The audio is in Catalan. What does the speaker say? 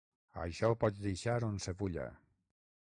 Això ho pots deixar onsevulla.